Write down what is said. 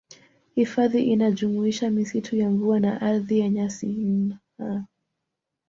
Hifadhi inajumuisha misitu ya mvua na ardhi ya nyasi n